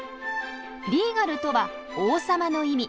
リーガルとは「王様」の意味。